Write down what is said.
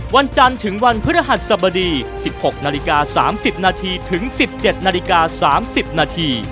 วันจันทร์ถึงวันพฤหัสสบดี๑๖นาฬิกา๓๐นาทีถึง๑๗นาฬิกา๓๐นาที